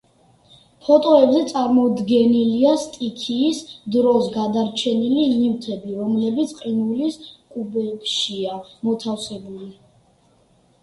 ფოტოებზე წარმოდგენილია სტიქიის დროს გადარჩენილი ნივთები, რომლებიც ყინულის კუბებშია მოთავსებული.